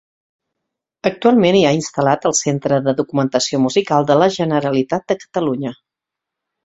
Actualment hi ha instal·lat el Centre de Documentació Musical de la Generalitat de Catalunya.